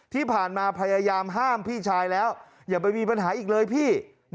ที่ผ่านมาพยายามห้ามพี่ชายแล้วอย่าไปมีปัญหาอีกเลยพี่